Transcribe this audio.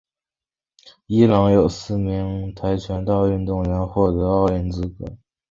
伊朗有四名跆拳道运动员获得奥运资格。